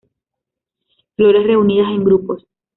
Flores reunidas en grupos.